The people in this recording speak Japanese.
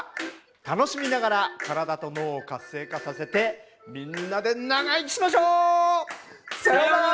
楽しみながら体と脳を活性化させてみんなで長生きしましょう！さよなら！